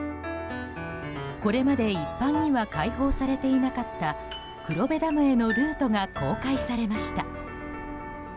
これまで一般には開放されていなかった黒部ダムへのルートが公開されました。